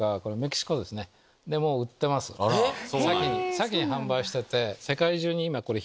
先に販売してて。